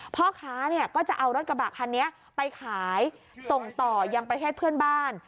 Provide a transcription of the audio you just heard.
พ่อค้าเนี่ยก็จะเอารถกระบะคันนี้ไปขายส่งต่อยังประเทศเพื่อนบ้าน